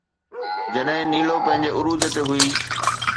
جڏهن نيلو پنهنجي عروج تي هئي.